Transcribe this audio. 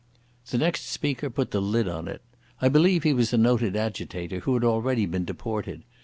The next speaker put the lid on it. I believe he was a noted agitator, who had already been deported.